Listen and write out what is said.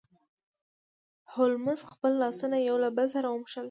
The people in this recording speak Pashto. هولمز خپل لاسونه یو له بل سره وموښل.